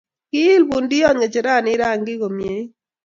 Ke il pundiyot ng'echeranin rangik komyeit.